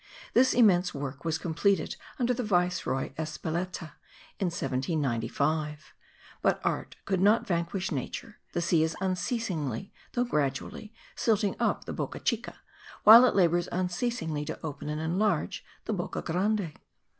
This immense work was completed under the Viceroy Espeleta in 1795. But art could not vanquish nature; the sea is unceasingly though gradually silting up the Boca Chica, while it labours unceasingly to open and enlarge the Boca Grande.